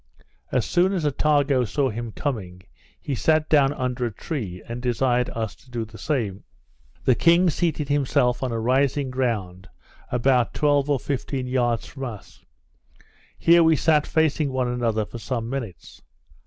As soon as Attago saw him coming, he sat down under a tree, and desired us to do the same. The king seated himself on a rising ground, about twelve or fifteen yards from us: Here we sat facing one another for some minutes.